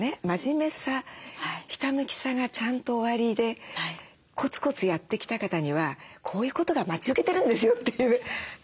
真面目さひたむきさがちゃんとおありでコツコツやってきた方にはこういうことが待ち受けてるんですよっていう。